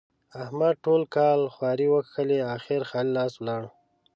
احمد ټول کال خواري وکښلې؛ اخېر خالي لاس ولاړ.